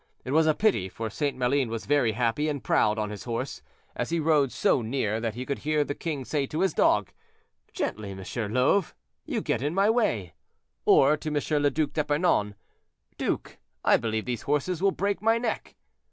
It was a pity; for St. Maline was very happy and proud on his horse, as he rode so near that he could hear the king say to his dog, "Gently, M. Love, you get in my way;" or to M. le Duc d'Epernon, "Duke, I believe these horses will break my neck."